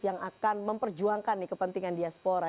yang akan memperjuangkan nih kepentingan diaspora